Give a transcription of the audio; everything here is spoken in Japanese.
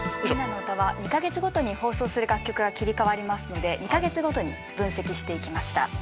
「みんなのうた」は２か月ごとに放送する楽曲が切り替わりますので２か月ごとに分析していきました。